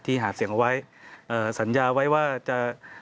หาเสียงเอาไว้สัญญาไว้ว่าจะ